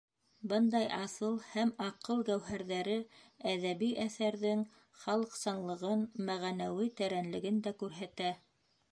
Бындай аҫыл һәм аҡыл гәүһәрҙәре әҙәби әҫәрҙең халыҡсанлығын, мәғәнәүи тәрәнлеген дә күрһәтә.